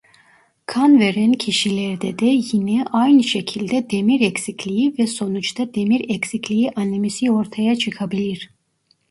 Kan veren kişilerde de yine aynı şekilde demir eksikliği ve sonuçta demir eksikliği anemisi ortaya çıkabilir.